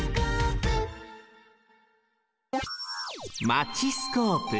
マチスコープ。